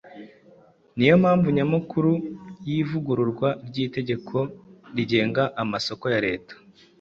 niyo mpamvu nyamukuru y’ivugururwa ry’itegeko rigenga amasoko ya Leta.